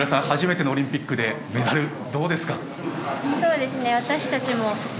初めてのオリンピックでメダル。